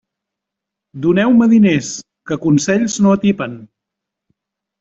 Doneu-me diners, que consells no atipen.